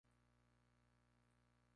Todas las letras por Jarvis Cocker.